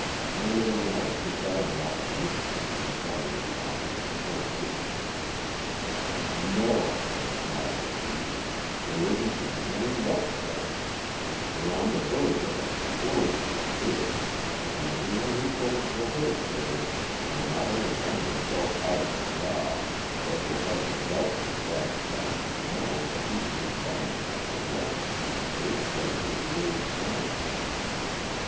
"Anything else beside watching him?" inquired the operative, hopefully. "No," smiled the chief, "there isn't to be any rough stuff. We're on the verge of an explosion as it is, and anyone who pulls the hair trigger will not only find himself out of a job, but will have the doubtful satisfaction of knowing that he's responsible for wrecking some very carefully laid plans.